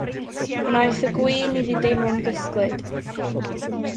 Gwnaeth y gwin iddi deimlo'n gysglyd.